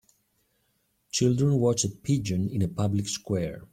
Children watch a pigeon in a public square.